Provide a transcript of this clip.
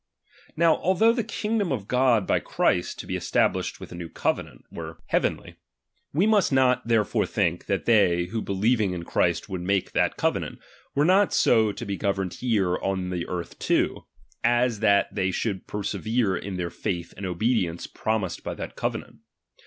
Now, although the kingdom of God by The p Christ to be established with a new covenant, were „o,v\ VOL. II. s vn. heavenly ; we must not therefore think, that they, ~J_^j who believing in Christ would make that covenant, ''«° were not so to be governed here on the earth too, "r^'i as that they should persevere in their faith and obedience promised by that covenant.